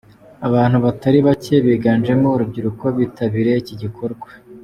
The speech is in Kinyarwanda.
Abantu batari bacye biganjemo urubyiruko bitabiriye iki gikorwa.